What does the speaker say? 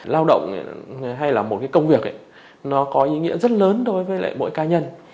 lao động hay là một công việc nó có ý nghĩa rất lớn đối với mỗi ca nhân